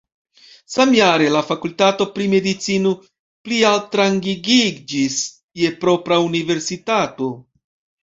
Samjare la fakultato pri medicino plialtrangigiĝis je propra universitato.